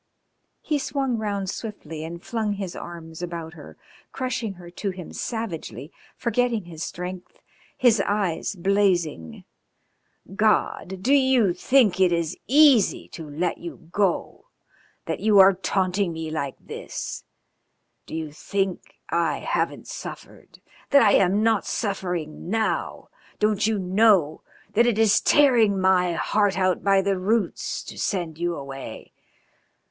He swung round swiftly and flung his arms about her, crushing her to him savagely, forgetting his strength, his eyes blazing. "God! Do you think it is easy to let you go, that you are taunting me like this? Do you think I haven't suffered, that I'm not suffering now? Don't you know that it is tearing my heart out by the roots to send you away?